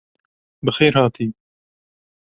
Bi xêr hatî.